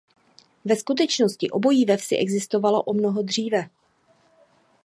Ve skutečnosti obojí ve vsi existovalo o mnoho dříve.